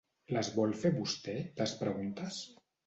Les vol fer vostè, les preguntes?